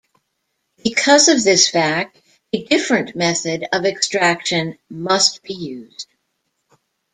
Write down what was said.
Because of this fact, a different method of extraction must be used.